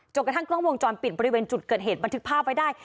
กระทั่งกล้องวงจรปิดบริเวณจุดเกิดเหตุบันทึกภาพไว้ได้